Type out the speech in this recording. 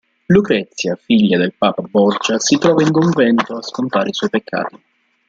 Lucrezia, figlia del papa Borgia, si trova in convento a scontare i suoi peccati.